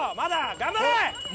頑張れ！